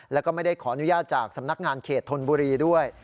แล้วก็ไม่ได้ขออนุญาตจากสำนักงานเขตธนบุรีด้วย